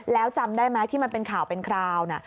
แล้วจำได้ไหมที่มันเป็นข่าวเป็นคราวน่ะ